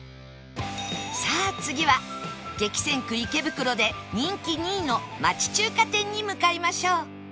さあ次は激戦区池袋で人気２位の町中華店に向かいましょう